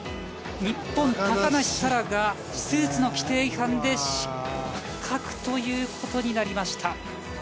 日本、高梨沙羅がスーツの規定違反で失格ということになりました。